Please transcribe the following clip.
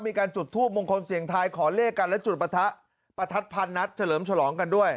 มีการจุดทูปมงคลเสียงทายขอเลขกันและจุดประทะประทัดพันนัดเฉลิมฉลองกันด้วย